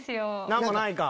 何もないか。